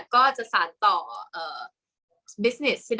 กากตัวทำอะไรบ้างอยู่ตรงนี้คนเดียว